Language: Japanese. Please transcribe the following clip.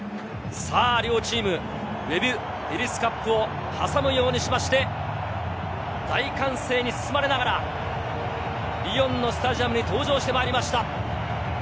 両チーム、ウェブ・エリス・カップを挟むようにして、大歓声に包まれながらリヨンのスタジアムに登場してきました。